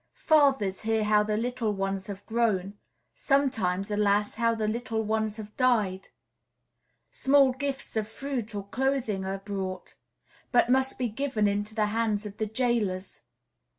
Fathers hear how the little ones have grown; sometimes, alas! how the little ones have died. Small gifts of fruit or clothing are brought; but must be given first into the hands of the jailers.